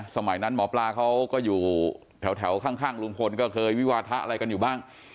สมัยนั้นหมอปลาเค้าก็อยู่แถวข้างลุงพลเคยวิวาทะ